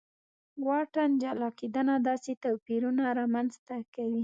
واټن جلا کېدنه داسې توپیرونه رامنځته کوي.